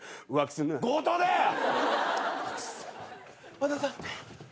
和田さん。